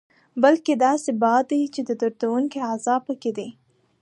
بلکې داسې باد دی چې دردوونکی عذاب پکې دی.